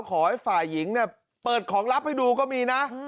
ขอให้ฝ่ายหญิงเนี่ยเปิดของลับให้ดูก็มีนะ